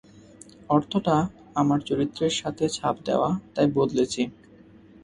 অর্থটা আমার চরিত্রের সাথে ছাপ দেয়া, তাই বদলেছি।